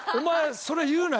それ言うなよ